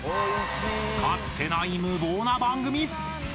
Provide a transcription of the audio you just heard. かつてない無謀な番組。